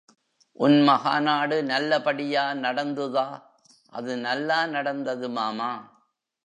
உன் மகாநாடு நல்லபடியா நடந்துதா? அது நல்லா நடந்தது மாமா!